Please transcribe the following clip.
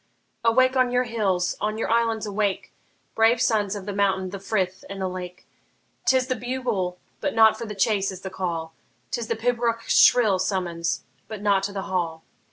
Awake on your hills, on your islands awake, Brave sons of the mountain, the frith, and the lake! 'T is the bugle but not for the chase is the call; 'T is the pibroch's shrill summons but not to the hall.